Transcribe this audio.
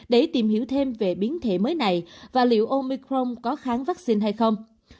để tìm hiểu thêm về biến thể mới này và liệu omicron có kháng vaccine hay không